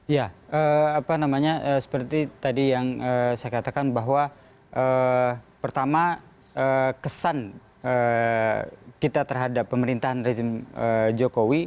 ya apa namanya seperti tadi yang saya katakan bahwa pertama kesan kita terhadap pemerintahan rezim jokowi